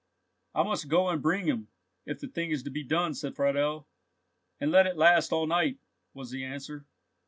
"I must go and bring him, if the thing is to be done," said Friedel. "And let it last all night!" was the answer.